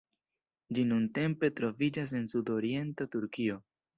Ĝi nuntempe troviĝas en sudorienta Turkio.